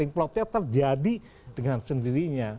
plotnya terjadi dengan sendirinya